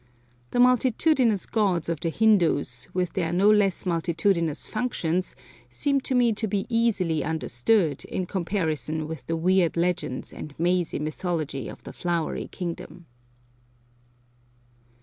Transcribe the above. The multitudinous gods of the Hindoos, with their no less multitudinous functions, seem to me to be easily understood in comparison with the weird legends and mazy mythology of the Flowery Kingdom.